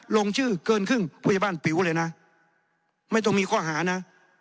ลงชื่อเกินครึ่งผู้ใหญ่บ้านปิ๋วเลยนะไม่ต้องมีข้อหานะ